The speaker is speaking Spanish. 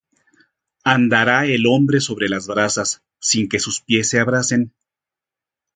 ¿Andará el hombre sobre las brasas, Sin que sus pies se abrasen?